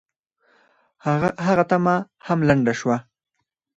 هغه تمه هم لنډه شوه.